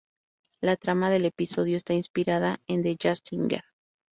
La trama del episodio está inspirada en The Jazz Singer.